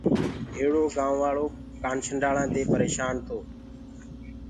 ميرو پآڙيسري ڪآنڇنڊݪآنٚ دي پريشآن تو۔